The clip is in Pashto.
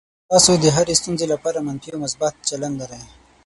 تاسو د هرې ستونزې لپاره منفي او مثبت چلند لرئ.